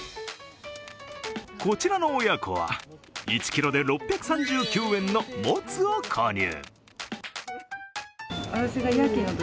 こちらの親子は１ｋｇで６３９円のモツを購入。